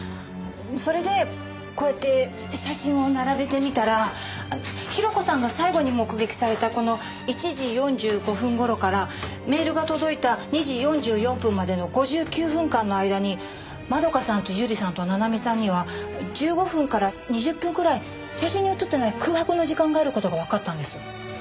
それでこうやって写真を並べてみたら広子さんが最後に目撃されたこの１時４５分頃からメールが届いた２時４４分までの５９分間の間に円香さんと百合さんと七海さんには１５分から２０分くらい写真に写ってない空白の時間がある事がわかったんです。